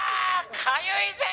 「かゆいぜ！」